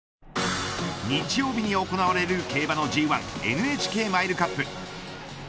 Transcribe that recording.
日曜日に行われる競馬のＧ１ＮＨＫマイルカップ。